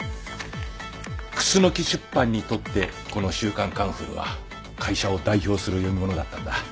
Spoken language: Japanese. クスノキ出版にとってこの『週刊カンフル』は会社を代表する読み物だったんだ。